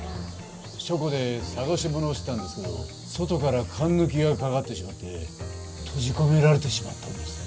書庫で捜し物をしてたんですけど外からかんぬきがかかってしまって閉じ込められてしまったんです。